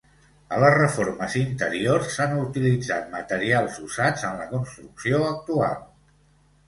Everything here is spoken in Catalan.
A les reformes interiors s'han utilitzat materials usats en la construcció actual.